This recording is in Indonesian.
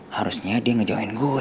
harusnya dia ngejauhin gue